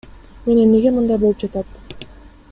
Мен эмнеге мындай болуп жатат?